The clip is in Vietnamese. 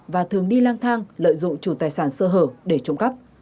và thường đi lang thang lợi dụng chủ tài sản sơ hở để trộm cắp